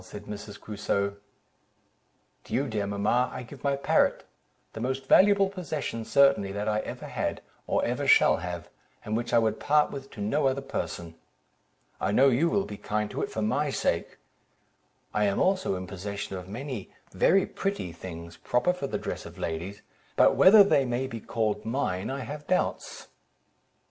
said Mrs. Crusoe. "To you, dear mamma, I give my parrot, the most valuable possession certainly that I ever had, or ever shall have, and which I would part with to no other person. I know you will be kind to it for my sake. I am also in possession of many very pretty things, proper for the dress of ladies; but whether they may be called mine, I have doubts."